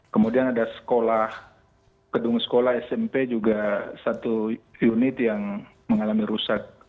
kemudian ada sekolah gedung sekolah smp juga satu unit yang mengalami rusak